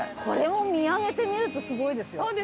これも見上げてみるとすごいですよ。